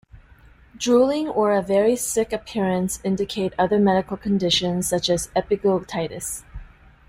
Drooling or a very sick appearance indicate other medical conditions, such as epiglottitis.